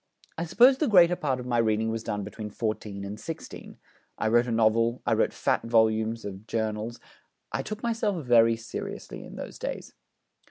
I suppose the greater part of my reading was done between fourteen and sixteen. I wrote a novel, I wrote fat volumes of journals: I took myself very seriously in those days.'